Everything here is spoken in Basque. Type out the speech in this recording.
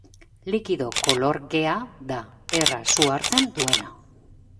Likido kolorgea da, erraz su hartzen duena.